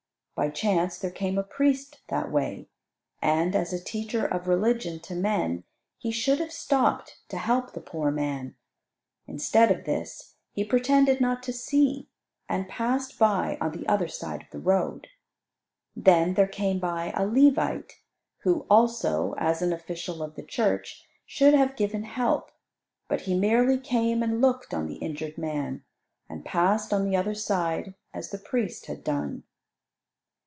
By chance there came a priest that way, and, as a teacher of religion to men, he should have stopped to help the poor man. Instead of this, he pretended not to see, and passed by on the other side of the road. Then there came by a Levite, who also, as an official of the church, should have given help. But he merely came and looked on the injured man, and passed on the other side as the priest had done.